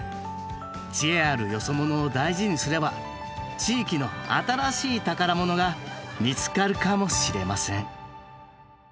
知恵あるよそ者を大事にすれば地域の新しい宝物が見つかるかもしれません。